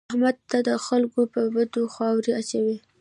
احمد تل د خلکو په بدو خاورې اچوي.